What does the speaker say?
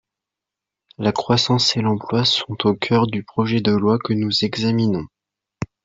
La croissance et l’emploi sont au cœur du projet de loi que nous examinons.